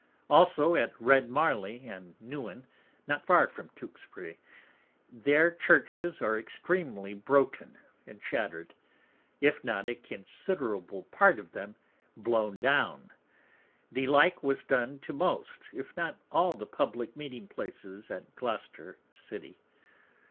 Also at Red Marly and Newin, not far from Tewksbury, their Churches are extreamly broken and shatter'd, if not a considerable part of them blown down. The like was done to most, if not all the Publick Meeting places at Gloucester City.